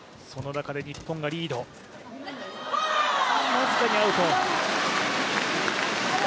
僅かにアウト。